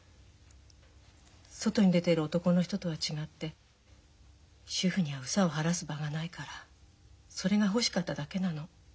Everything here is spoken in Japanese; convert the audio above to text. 外に出てる男の人とは違って主婦には憂さを晴らす場がないからそれが欲しかっただけなの。